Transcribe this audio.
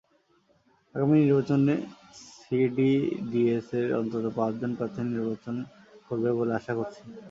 আগামী নির্বাচনে সিডিডিএসের অন্তত পাঁচজন প্রার্থী নির্বাচন করবে বলে আশা করছি।